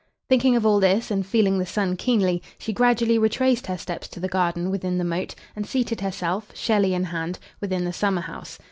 Thinking of all this, and feeling the sun keenly, she gradually retraced her steps to the garden within the moat, and seated herself, Shelley in hand, within the summer house.